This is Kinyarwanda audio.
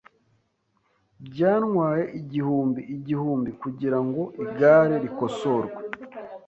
Byantwaye igihumbi igihumbi kugirango igare rikosorwe .